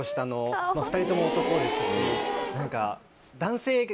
２人とも男ですし。